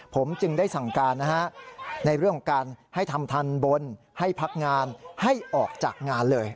ผมจึงได้สั่งการนะฮะในเรื่องของการให้ทำทันบนให้พักงานให้ออกจากงานเลย